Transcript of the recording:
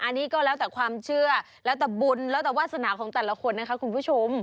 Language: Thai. อันนี้ก็แล้วแต่ความเชื่อแล้วแต่บุญแล้วแต่วาสนาของแต่ละคนนะคะคุณผู้ชม